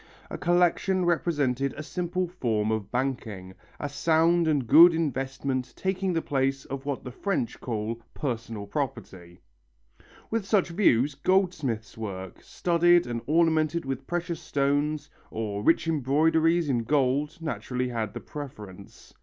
A collection represented a simple form of banking, a sound and good investment taking the place of what the French call "personal property." With such views, goldsmiths' work, studded and ornamented with precious stones, or rich embroideries in gold, naturally had the preference.